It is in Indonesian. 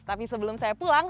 tapi sebelum saya pulang